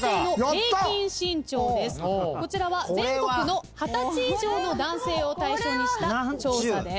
こちらは全国の二十歳以上の男性を対象にした調査です。